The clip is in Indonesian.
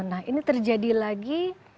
nah ini terjadi lagi